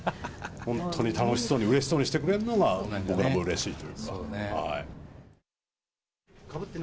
本当に楽しそうに、うれしそうにしてくれんのが、僕もうれしいというか。